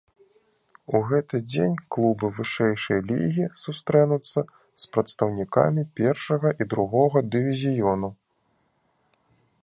У гэты дзень клубы вышэйшай лігі сустрэнуцца з прадстаўнікамі першага і другога дывізіёну.